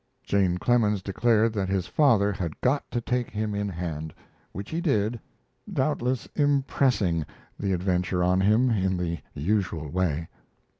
Jane Clemens declared that his father had got to take him in hand; which he did, doubtless impressing the adventure on him in the usual way.